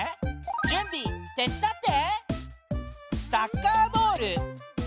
じゅんび手つだって！